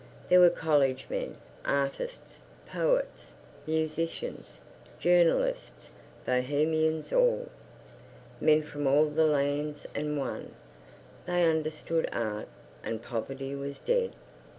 There were college men, artists, poets, musicians, journalists Bohemians all. Men from all the lands and one. They understood art and poverty was dead.